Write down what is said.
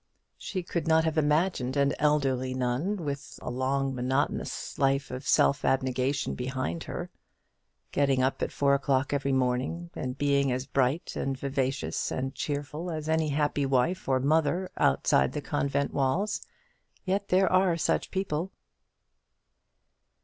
She could not have imagined an elderly nun, with all a long monotonous life of self abnegation behind her, getting up at four o'clock every morning, and being as bright and vivacious and cheerful as any happy wife or mother outside the convent walls. Yet there are such people.